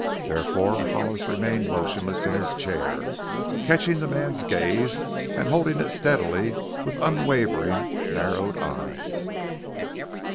Therefore Hollis remained motionless in his chair, catching the man's gaze and holding it steadily with unwavering, narrowed eyes.